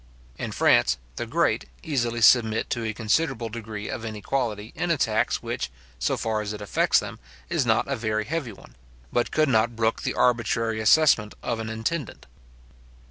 In France, the great easily submit to a considerable degree of inequality in a tax which, so far as it affects them, is not a very heavy one; but could not brook the arbitrary assessment of an intendant.